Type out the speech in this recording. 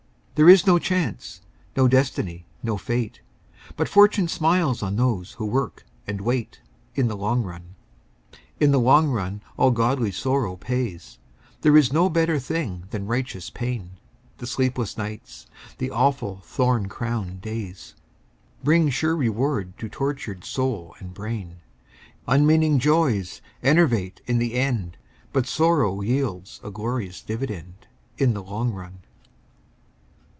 There is no Chance, no Destiny, no Fate, But Fortune smiles on those who work and wait, In the long run. In the long run all godly sorrow pays, There is no better thing than righteous pain, The sleepless nights, the awful thorn crowned days, Bring sure reward to tortured soul and brain. Unmeaning joys enervate in the end, But sorrow yields a glorious dividend In the long run.